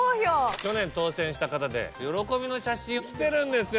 去年当選した方で喜びの写真来てるんですよ。